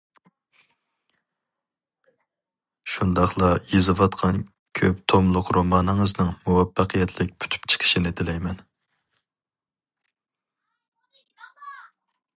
شۇنداقلا يېزىۋاتقان كۆپ توملۇق رومانىڭىزنىڭ مۇۋەپپەقىيەتلىك پۈتۈپ چىقىشىنى تىلەيمەن.